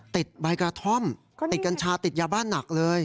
ติดบายกาธอมติดกัญชาติดยาบาลหนักเลย